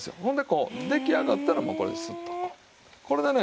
ほんでこう出来上がったらもうこれですっとこう。